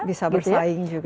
bisa bersaing juga